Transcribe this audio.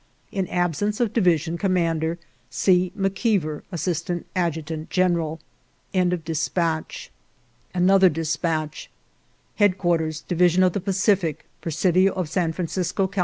" In absence of division commander. I "C. McKeever, "Assistant Adjutant General." 151 GERONIMO " Headquarters Division of the Pacific, " Presidio of San Francisco, Cal.